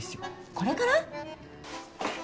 これから！？